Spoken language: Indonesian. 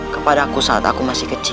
kepada aku saat aku masih kecil